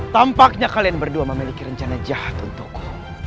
tampaknya kalian berdua memiliki rencana jahat untukku